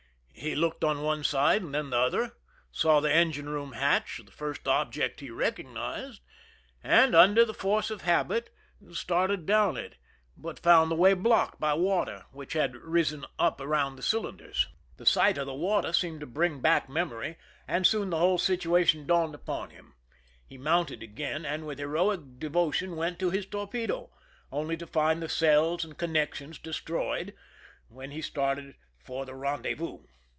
He looked on one side and then the other, saw the engine room hatch,— the first object recognized,— and, under the force of habit, started down it, but found the way blocked by water, w:hich had risen up around the cylinders. 98 / THE RUN IN The sight of the water seemed to bring back mem ory, and soon the whole situation dawned upon him ; he mounted again, and with heroic devotion went to his torpedo, only to find the cells and con nections destroyed, when he started for the rendez vous.